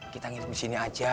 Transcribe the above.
kita ngirim disini aja